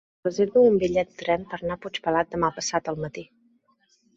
Reserva'm un bitllet de tren per anar a Puigpelat demà passat al matí.